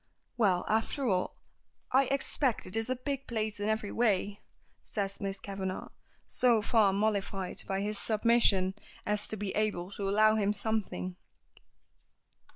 "Well, after all, I expect it is a big place in every way," says Miss Kavanagh, so far mollified by his submission as to be able to allow him something.